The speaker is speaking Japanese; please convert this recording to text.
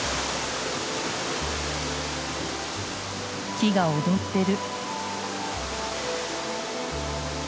木が踊ってる。